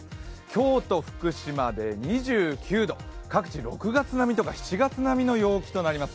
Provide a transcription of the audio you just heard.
京都・福島で２９度、各地６月並みとか７月並みの陽気となります。